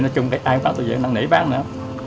nói chung là ai cũng bán tôi vẫn năng nỉ bán nữa